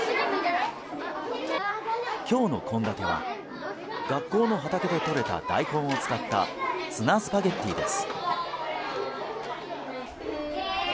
今日の献立は学校の畑で取れた大根を使ったツナスパゲティです。